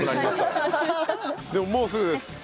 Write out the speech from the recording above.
でももうすぐです。